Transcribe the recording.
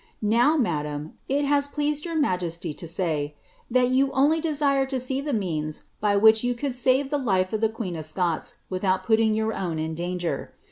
Now, madame, it has pleased your majesty to say, that * you only de • ire to see the means by which you could save the life of the queen of Scots, vitbout putting your own in danger.'